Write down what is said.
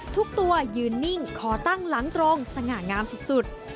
ทุกตัวยืนนิ่งขอตั้งหลังตรงสง่างามสุด